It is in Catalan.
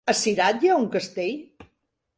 A Cirat hi ha un castell?